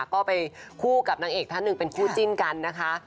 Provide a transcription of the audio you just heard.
ก็ไปคู่กับนางเอกท่านหนึ่งเป็นคู่จิ้นกันนะคะ